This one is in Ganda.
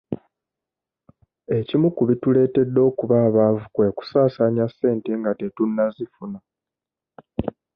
Ekimu ku bituleetedde okuba abaavu kwe kusaasanya ssente nga tetunnazifuna.